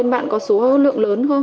bên bạn có số hoặc lượng lớn không